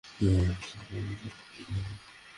আমাদেরকে পালিয়ে যেতে হবে এবং মানসিক শক্তিতে বলীয়ান হতে হবে!